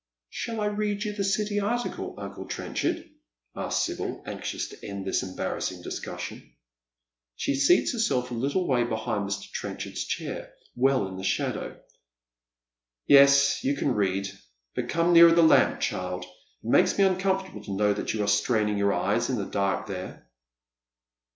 " Shall I read you the City article, uncle Trenchard ?" aska Sibyl, anxious to end this embarrassing discussion. She seats herself a little way behind Mr. Trenchard 's chair, well in the shadow. " Yes, you can read, but come nearer the lamp, child ; it makes me uncomfortable to know that you are straining your eyes in the dark there."